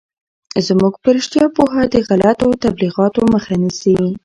زموږ په رشتیا پوهه د غلطو تبلیغاتو مخه نیسي.